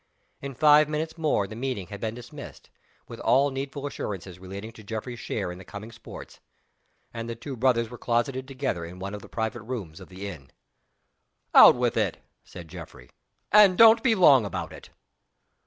In five minutes more the meeting had been dismissed, with all needful assurances relating to Geoffrey's share in the coming Sports and the two brothers were closeted together in one of the private rooms of the inn. "Out with it!" said Geoffrey. "And don't be long about it."